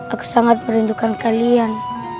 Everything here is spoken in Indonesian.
aku sangat merindukan kalian